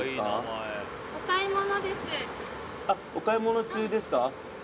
お買い物中ですか？